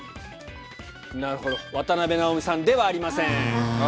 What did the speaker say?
渡辺直美さんではありません。